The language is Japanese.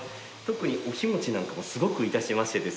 特にお日持ちなんかもすごくいたしましてですね